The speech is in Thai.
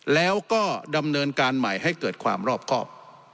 แล้วก็ดำเนินการใหม่ให้เกิดความรอบครอบ